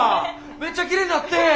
めっちゃきれいになって！